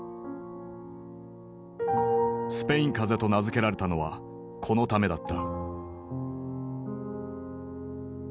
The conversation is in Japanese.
スペイン風邪と名付けられたのはこのためだった。